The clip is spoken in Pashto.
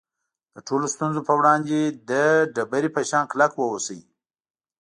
د ټولو ستونزو په وړاندې د ډبرې په شان کلک واوسئ.